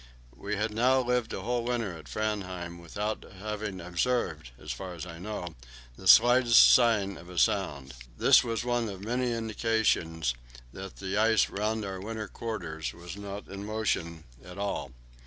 We had now lived a whole winter at Framheim without having observed, as far as I know, the slightest sign of a sound. This was one of many indications that the ice round our winter quarters was not in motion at all.